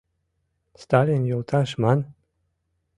— Сталин йолташ ман...